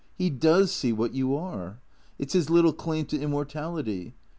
He does see what you are. It 's his little claim to immortality.